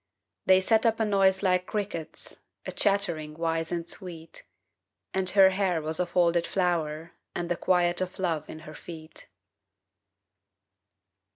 They set up a noise like crickets, A chattering wise and sweet. And her hair was a folded flower And the quiet of love in her feet.